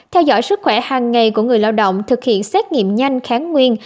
theo dõi sức khỏe hàng ngày của người lao động thực hiện xét nghiệm nhanh kháng nguyên